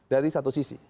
dari satu sisi